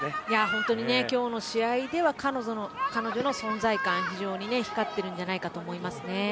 本当に今日の試合では彼女の存在感、非常に光っているんじゃないかと思いますね。